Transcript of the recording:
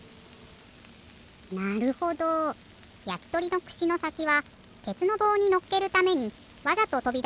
なるほどやきとりのくしのさきはてつのぼうにのっけるためにわざととびださせてたんだ。